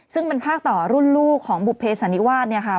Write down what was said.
ซึ่งเป็นภาคต่อรุ่นลูกของบุภเพสันนิวาสเนี่ยค่ะ